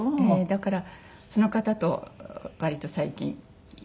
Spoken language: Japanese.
だからその方と割と最近行ってます。